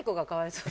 そう